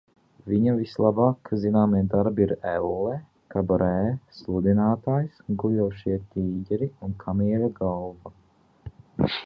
"Viņa vislabāk zināmie darbi ir "Elle", "Kabarē", "Sludinātājs", "Guļošie tīģeri" un "Kamieļa galva"."